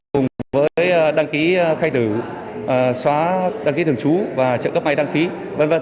cùng với đăng ký khai thử xóa đăng ký thường trú và trợ cấp máy đăng phí v v